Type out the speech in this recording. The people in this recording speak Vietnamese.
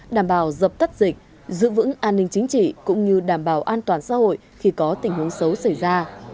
đảm bảo dập tắt dịch giữ vững an ninh chính trị cũng như đảm bảo an toàn xã hội khi có tình huống xấu xảy ra